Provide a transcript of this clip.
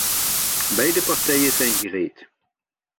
Beide partijen zijn gereed.